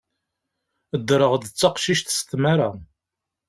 Ddreɣ-d d taqcict s tmara.